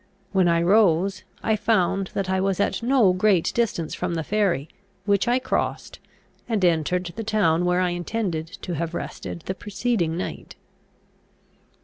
When I rose, I found that I was at no great distance from the ferry, which I crossed, and entered the town where I intended to have rested the preceding night.